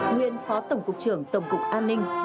nguyên phó tổng cục trưởng tổng cục an ninh